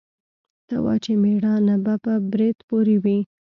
ته وا چې مېړانه به په برېت پورې وي.